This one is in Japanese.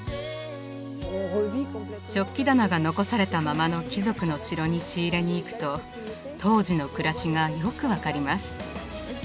食器棚が残されたままの貴族の城に仕入れに行くと当時の暮らしがよく分かります。